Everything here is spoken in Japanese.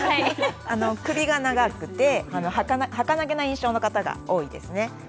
首が長くてはかなげな印象の方が多いですね。